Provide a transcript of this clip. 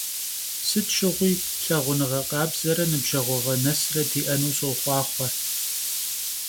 Sıt şığui lhağunığe khabzere nıbjeğuğe nesre di'enu soxhuaxhue!